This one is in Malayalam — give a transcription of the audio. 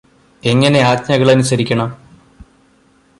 എങ്ങനെ ആജ്ഞകള് അനുസരിക്കണം